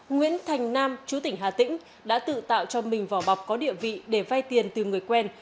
nguyễn thành nam chú tỉnh hà tĩnh đã tự tạo cho mình vỏ bọc có địa vị để vay tiền từ người quen